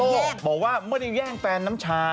โต๊ะบอกว่าเมื่อได้แย่งแฟนน้ำชา